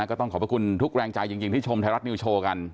ก็ต้องขอบพระคุณทุกแรงใจจริงที่ชมไทยรัฐนิวโชว์กัน